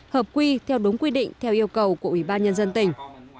hợp quy theo đúng quy định theo yêu cầu của ủy ban nhân dân tỉnh